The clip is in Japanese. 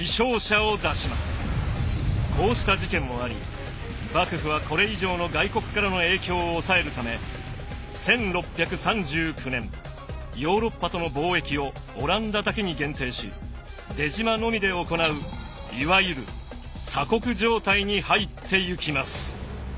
こうした事件もあり幕府はこれ以上の外国からの影響を抑えるため１６３９年ヨーロッパとの貿易をオランダだけに限定し出島のみで行ういわゆる鎖国状態に入ってゆきます。